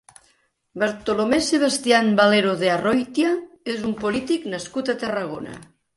Bartolomé Sebastián Valero de Arroitia és un polític nascut a Tarragona.